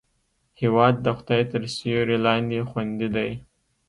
هېواد د خدای تر سیوري لاندې خوندي دی.